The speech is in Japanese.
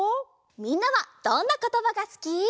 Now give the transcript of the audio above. みんなはどんなことばがすき？